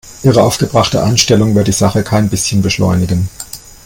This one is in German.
Ihre aufgebrachte Einstellung wird die Sache kein bisschen beschleunigen.